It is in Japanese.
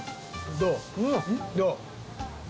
どう？